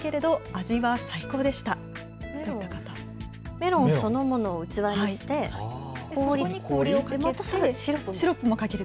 メロンそのものを器にしてそこに氷をかけてまたそこにシロップをかける。